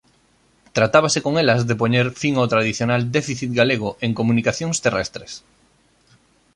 Tratábase con elas de poñer fin ao tradicional déficit galego en comunicacións terrestres.